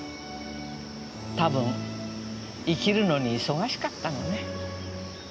多分生きるのに忙しかったのね。